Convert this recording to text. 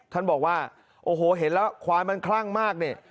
ท่านบอกว่าโอ้โหเห็นแล้วควายมันคลั่งมากเนี่ย